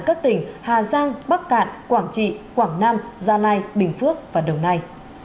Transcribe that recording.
các tỉnh hà giang bắc cạn quảng trị quảng nam gia lai bình phước và đồng nai